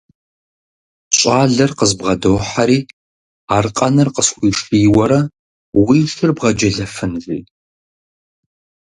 Щӏалэр къызбгъэдохьэри, аркъэныр къысхуишийуэрэ, уи шыр бгъэджэлэфын, жи.